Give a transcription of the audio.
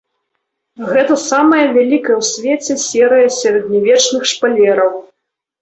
Гэта самая вялікая ў свеце серыя сярэднявечных шпалераў.